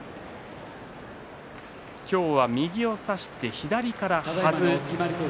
今日は右を差して左からはず。